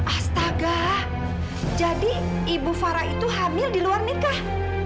astaga jadi ibu fara itu hamil di luar nikah